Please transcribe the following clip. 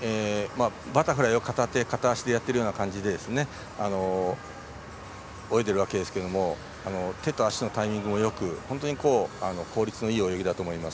バタフライを片手片足をやっているような感じで泳いでいるわけですけれども手と足のタイミングもよく本当に効率のいい泳ぎだと思います。